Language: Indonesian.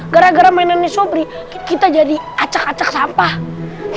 gara gara mainannya sobri kita jadi acak acak sampah